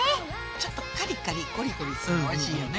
ちょっとカリカリコリコリするのおいしいよね。